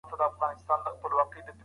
په دې خاطر بايد مطالعه وکړو.